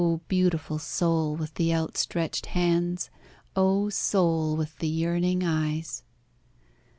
beautiful soul with the outstretched hands, Oh! soul with the yearning eyes!